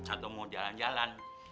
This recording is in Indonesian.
atau mau jalan jalan